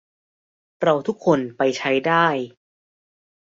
เราทุกคนไปใช้ได้